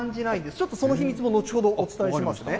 ちょっとその秘密も後ほど、お伝えしますね。